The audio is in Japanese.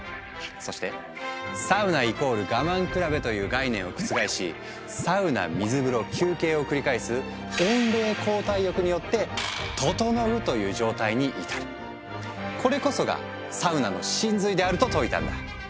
そして「サウナ＝我慢比べ」という概念を覆し「サウナ水風呂休憩」を繰り返す「温冷交代浴」によって「ととのう」という状態に至るこれこそがサウナの神髄であると説いたんだ。